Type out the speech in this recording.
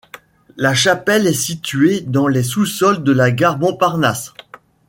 La chapelle est située dans les sous-sols de la gare Montparnasse.